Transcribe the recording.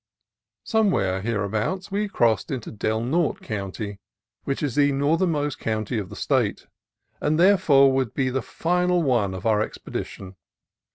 Somewhere hereabouts we crossed into Del Norte County, which is the northernmost county of the State, and therefore would be the final one of our ex pedition.